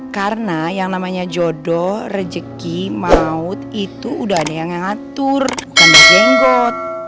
karena yang namanya jodoh rejeki maut itu udah ada yang ngatur bukan bajenggot